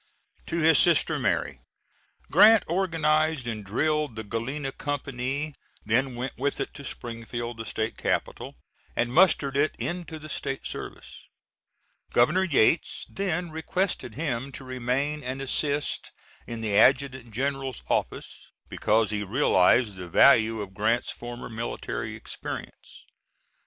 [To his sister Mary. Grant organized and drilled the Galena company, then went with it to Springfield, the State capital, and mustered it into the State service. Governor Yates then requested him to remain and assist in the adjutant general's office, because he realized the value of Grant's former military experience.